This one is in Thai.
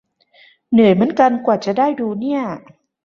เหนื่อยเหมือนกัน กว่าจะได้ดูเนี่ย